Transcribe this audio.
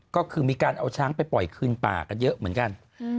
ก็คือมีการเอาช้างไปปล่อยคืนป่ากันเยอะเหมือนกัน